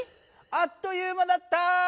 あっという間だった！